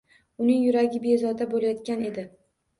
Uning yuragi bezovta bo`layotgan edi